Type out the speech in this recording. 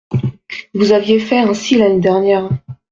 Vous aviez fait ainsi l’année dernière.